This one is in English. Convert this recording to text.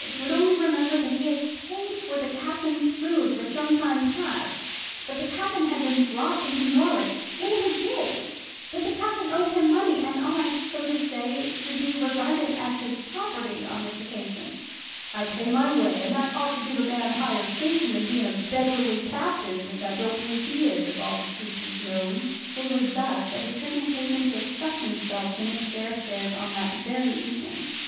He would only remember that he had paid for the Captain's food for some time past, that the Captain had been brought into Norwich in his gig, that the Captain owed him money, and ought, so to say, to be regarded as his property on the occasion. "I pay my way, and that ought to give a man higher station than being a beggarly captain, which I don't believe he is, if all the truth was known." It was thus that he took an occasion to express himself to Miss Fairstairs on that very evening.